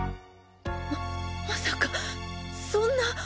ままさかそんな。